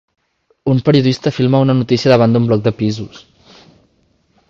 Un periodista filma una notícia davant d'un bloc de pisos.